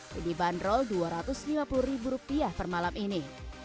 yang dibanderol rp dua ratus lima puluh per malam ini